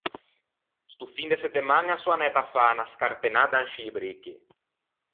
Sto fin de settemaña son anæto à fâ unna scarpenadda in scî bricchi.